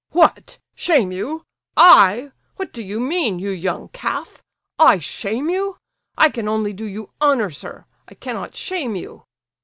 "What—shame you? I?—what do you mean, you young calf? I shame you? I can only do you honour, sir; I cannot shame you."